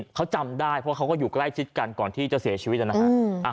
เขาจำได้เพราะเขาก็อยู่ใกล้ชิดกันก่อนที่จะเสียชีวิตนะฮะ